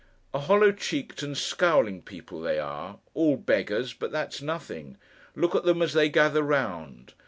A hollow cheeked and scowling people they are! All beggars; but that's nothing. Look at them as they gather round.